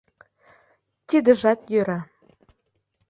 — Тидыжат йӧра.